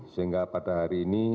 sehingga pada hari ini